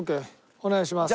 お願いします。